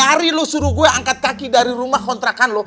cari lo suruh gue angkat kaki dari rumah kontrakan lo